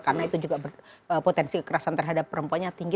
karena itu juga berpotensi kekerasan terhadap perempuannya tinggi